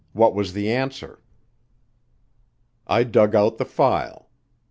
What was the answer? I dug out the file.